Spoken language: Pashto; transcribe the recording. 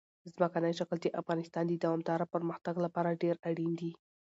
ځمکنی شکل د افغانستان د دوامداره پرمختګ لپاره ډېر اړین دي.